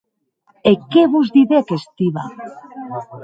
E qué vos didec Stiva?